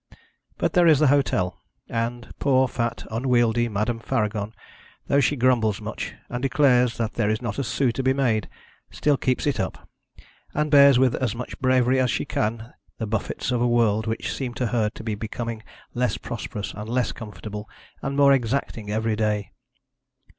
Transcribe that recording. But there is the hotel; and poor fat, unwieldy Madame Faragon, though she grumbles much, and declares that there is not a sou to be made, still keeps it up, and bears with as much bravery as she can the buffets of a world which seems to her to be becoming less prosperous and less comfortable and more exacting every day.